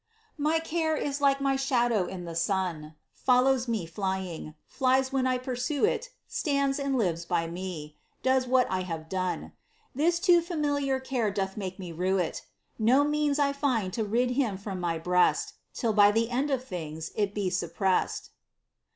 II. My care is like my shadow in the sun,— Follows me flying — flies when I pursue it Stands and lives by me— does what I have done; This too familiar care doth make me rue it. No means I And to rid him from my breast, Till by the end of tilings it be suppressed.